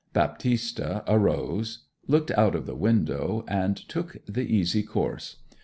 Baptista arose, looked out of the window, and took the easy course.